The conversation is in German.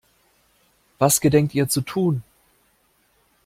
Was gedenkt ihr zu tun?